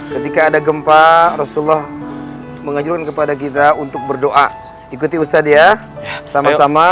ketika ada gempa rasulullah mengajukan kepada kita untuk berdoa ikuti usaha dia sama sama